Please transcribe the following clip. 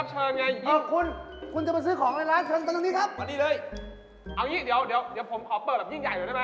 เฮ่ยใครมาพูดเดินมาเลี้ยงน่ะ